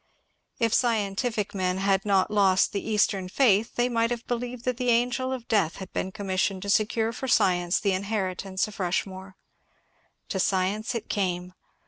If scientific men had not lost the Eastern faith they might have believed that the angel of death had been commissioned to secure for science the inheritance at Rushmore. To science it came.